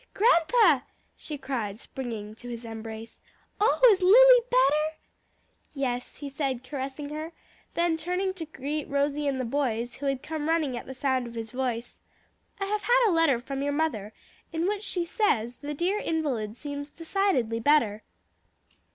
"Grandpa," she cried, springing to his embrace, "Oh, is Lily better?" "Yes," he said, caressing her, then turning to greet Rosie and the boys, who had come running at the sound of his voice. "I have had a letter from your mother, in which she says the dear invalid seems decidedly better."